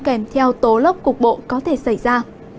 kèm theo tố lốc cục bộ có thể xảy ra